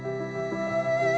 supaya beliau lebih khusus